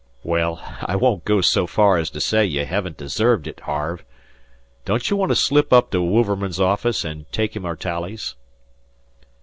"Well, I won't go so far as to say you hevn't deserved it, Harve. Don't you want to slip up to Wouverman's office and take him our tallies?"